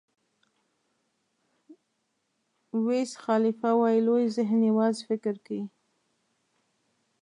ویز خالیفه وایي لوی ذهن یوازې فکر کوي.